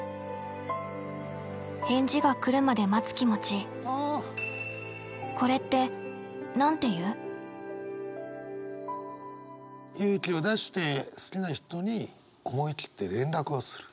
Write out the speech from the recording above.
返事が来るまで待つ気持ち勇気を出して好きな人に思い切って連絡をする。